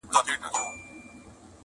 هیله ده دخوښی وړمو وګرځی--!